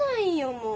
もう。